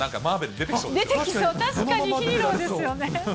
出てきそう、確かにヒーローですよね。